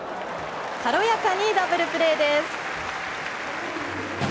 軽やかにダブルプレーです。